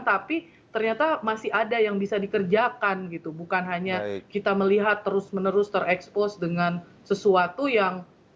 tapi ternyata masih ada yang bisa dikerjakan gitu bukan hanya kita melihat terus menerus terekspos dengan sesuatu yang